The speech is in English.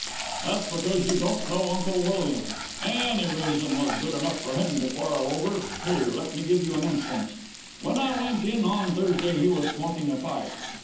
"That's because you don't know Uncle William. Any reason was good enough for him to quarrel over. Here, let me give you an instance. When I went in on Thursday he was smoking a pipe.